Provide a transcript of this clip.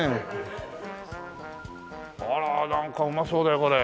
あらなんかうまそうだよこれ。